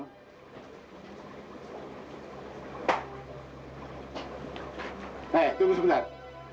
hei tunggu sebentar